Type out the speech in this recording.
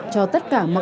cho tất cả mọi người